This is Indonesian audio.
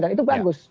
dan itu bagus